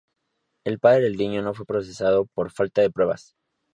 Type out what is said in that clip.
El padre del niño no fue procesado por falta de pruebas.